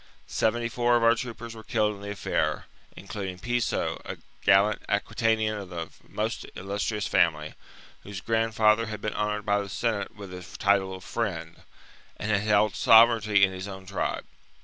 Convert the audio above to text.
Seventy four of our troopers were killed in the affair, including Piso, a gallant Aquitanian of most illustrious family, whose grand father had been honoured by the Senate with the title of Friend, and had held sovereignty in his own tribe.